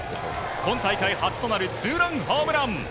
今大会初となるツーランホームラン。